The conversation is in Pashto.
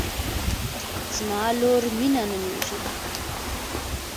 زما لور مینه نومیږي